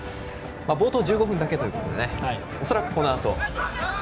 冒頭１５分だけということでおそらくこのあと。